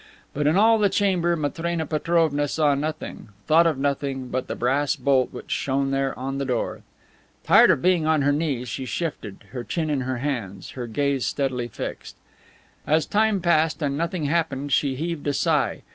But in all the chamber Matrena Petrovna saw nothing, thought of nothing but the brass bolt which shone there on the door. Tired of being on her knees, she shifted, her chin in her hands, her gaze steadily fixed. As time passed and nothing happened she heaved a sigh.